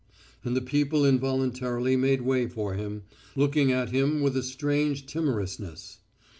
And the people involuntarily made way for him, looking at him with a strange timorousness.